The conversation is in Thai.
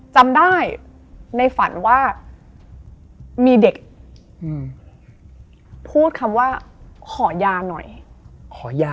จำได้ในฝันว่ามีเด็กพูดคำว่าขอยาหน่อยขอยา